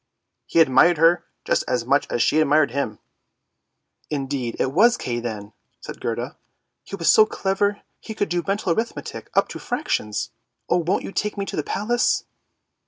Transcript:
He admired her just as much as she admired him! "" Indeed it was Kay then," said Gerda; " he was so clever he could do mental arithmetic up to fractions. Oh won't you take me to the Palace?